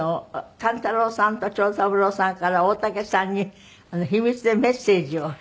勘太郎さんと長三郎さんから大竹さんに秘密でメッセージを。